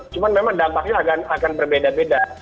cuma memang dampaknya akan berbeda beda